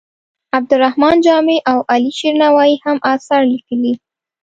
عبدالرحمان جامي او علي شیر نوایې هم اثار لیکلي.